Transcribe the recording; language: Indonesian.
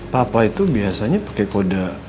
papa itu biasanya pakai koda